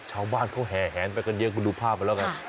ชาวบ้านเขาแห่แหนไปกันเยอะคุณดูภาพกันแล้วกัน